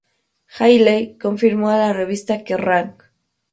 Hayley confirmó a la revista "Kerrang!